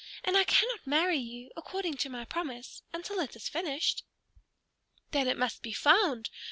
And I cannot marry you, according to my promise, until it is finished." "Then it must be found!"